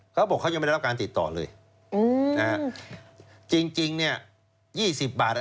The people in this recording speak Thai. เขาบอกเขายังไม่ได้รับการติดต่อเลยอืมนะฮะจริงจริงเนี้ยยี่สิบบาทอ่ะ